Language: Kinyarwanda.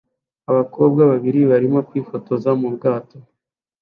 Abakobwa babiri barimo kwifotoza mu bwato